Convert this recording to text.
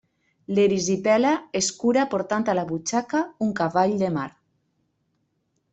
L'erisipela es cura portant a la butxaca un cavall de mar.